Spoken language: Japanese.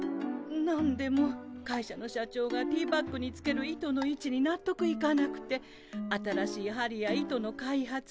なんでも会社の社長がティーバッグにつける糸のいちになっとくいかなくて新しいはりや糸の開発